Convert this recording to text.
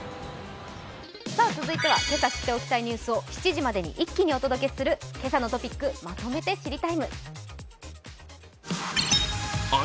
続いては今朝知っておきたいニュースを７時まで一気にお届けする「けさのトピックまとめて知りＴＩＭＥ，」。